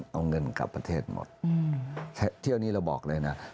เอาเงินกลับประเทศหมดเที่ยวนี้เราบอกเลยนะ